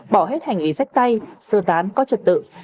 bỏ hết hành ý sách tay sơ tán có trật tự